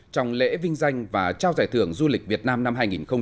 trong lễ vinh danh và trao giải thưởng du lịch việt nam năm hai nghìn một mươi chín